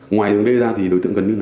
ngoài đường d ra thì đối tượng gần như